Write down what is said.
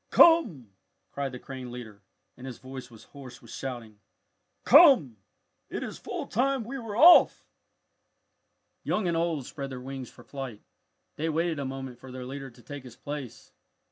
come!" cried the crane leader, and his voice was hoarse with shouting. "Come! It is full time we were off!" Young and old spread their wings for flight. They waited a moment for their leader to take his place.